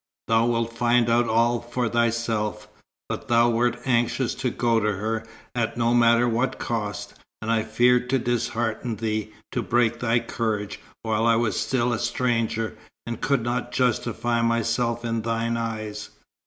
Thou wilt find out all for thyself. But thou wert anxious to go to her, at no matter what cost, and I feared to dishearten thee, to break thy courage, while I was still a stranger, and could not justify myself in thine eyes.